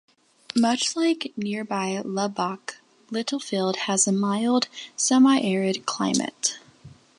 Much like nearby Lubbock, Littlefield has a mild, semiarid climate.